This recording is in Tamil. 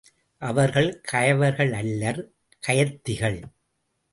அவர்கள் கயவர்களல்லர் கயத்திகள்.